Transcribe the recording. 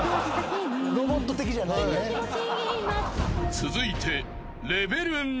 ［続いて］